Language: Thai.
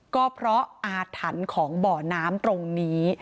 ก็เพราะอาถรรพ์ของบ่อน้ำตรงนี้